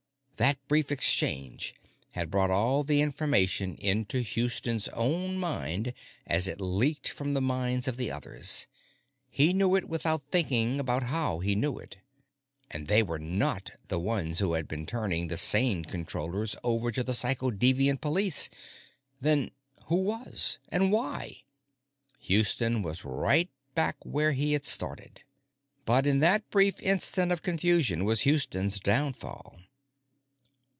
That brief exchange had brought all the information into Houston's own mind as it leaked from the minds of the others. He knew it without thinking about how he knew it. And they were not the ones who had been turning the sane Controllers over to the Psychodeviant Police! Then who was? And why? Houston was right back where he had started. But that brief instant of confusion was Houston's downfall.